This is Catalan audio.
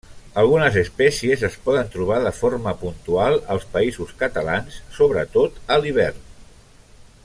Algunes espècies es poden trobar de forma puntual als Països Catalans, sobretot a l'hivern.